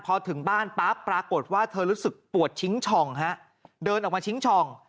พอถึงบ้านปั๊บปรากฏว่าเธอรู้สึกปวดชิงช่องฮะเดินออกมาชิงช่อง